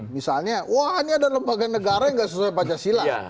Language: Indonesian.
misalnya wah ini ada lembaga negara yang gak sesuai pancasila